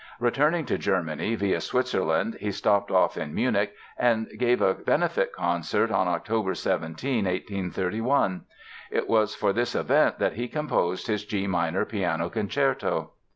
Returning to Germany via Switzerland he stopped off in Munich and gave a benefit concert on Oct. 17, 1831. It was for this event that he composed his G minor Piano Concerto.